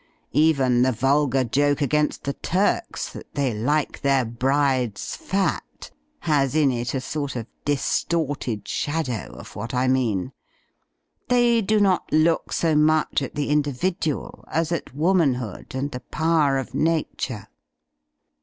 Even the vulgar joke against the Turks, that they like their brides fat, has in it a sort of distorted shad ow of what I mean. They do not look so much at the individual, as at Womanhood and the power of Na ture.